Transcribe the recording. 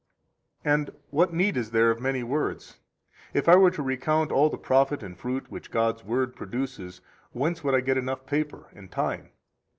12 And what need is there of many words? If I were to recount all the profit and fruit which God's Word produces, whence would I get enough paper and time?